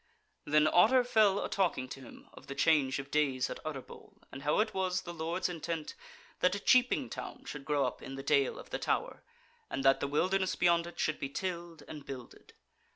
Then Otter fell a talking to him of the change of days at Utterbol, and how that it was the Lord's intent that a cheaping town should grow up in the Dale of the Tower, and that the wilderness beyond it should be tilled and builded.